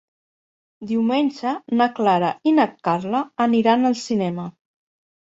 Diumenge na Clara i na Carla aniran al cinema.